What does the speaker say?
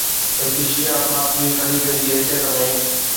هڪ شيعه فاطمي خليفي جي حيثيت ۾